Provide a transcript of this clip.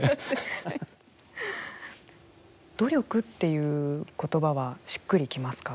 努力っていう言葉はしっくりきますか。